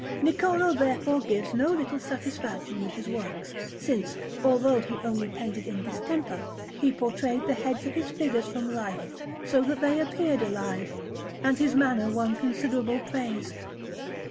Niccolò therefore gave no little satisfaction with his works, since, although he only painted in distemper, he portrayed the heads of his figures from life, so that they appeared alive, and his manner won considerable praise.